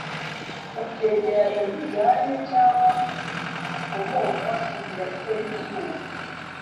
Ku byegeranyo bijyanye cyangwa bikomoka ku mirasire y’izuba